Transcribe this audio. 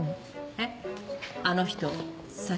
えっ？